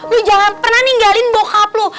lo jangan pernah ninggalin bokap lo